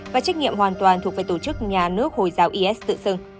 và trách nhiệm hoàn toàn thuộc về tổ chức nhà nước hồi giáo is tự xưng